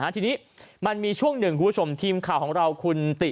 ทีนี้มันมีช่วงหนึ่งคุณผู้ชมทีมข่าวของเราคุณติ